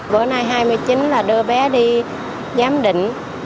bữa nay hai mươi chín là đưa bé đi giám định